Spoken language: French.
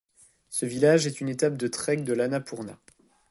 Ce village est une étape de trek de l'Annapurna.